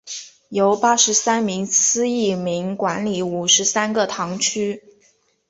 由八十三名司铎名管理五十三个堂区。